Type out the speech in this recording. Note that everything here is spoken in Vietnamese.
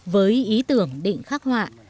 với ý tưởng định khắc họa